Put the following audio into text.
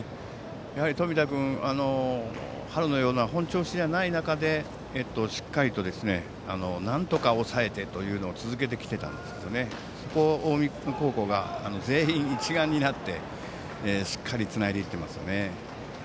冨田君、春のような本調子ではない中でしっかりとなんとか抑えてというのを続けてきていたんですがそこを近江高校が全員一丸になってしっかりつないでいっています。